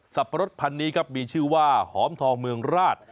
ปะรดพันนี้ครับมีชื่อว่าหอมทองเมืองราช